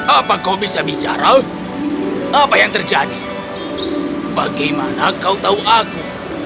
apa kau bisa bicara apa yang terjadi bagaimana kau tahu aku